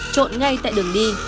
trộn ngay tại đường đi